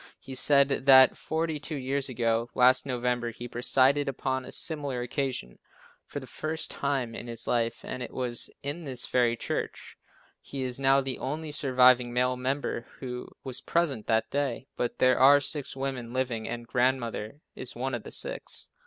He said that forty two years ago last November, he presided upon a similar occasion for the first time in his life and it was in this very church. He is now the only surviving male member who was present that day, but there are six women living, and Grandmother is one of the six.